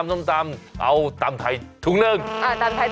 เอ้าตำไทยถุงหนึ่งอ่าตำไทยถุงหนึ่งได้